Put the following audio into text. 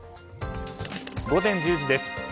午前１０時です。